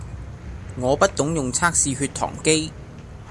我不懂用測試血糖機